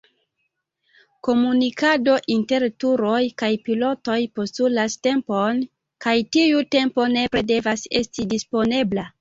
Komunikado inter turoj kaj pilotoj postulas tempon, kaj tiu tempo nepre devas esti disponebla.